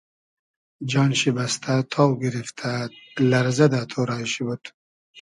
جان شی بئستۂ تاو گیریفتئد لئرزۂ دۂ تۉرای شی بود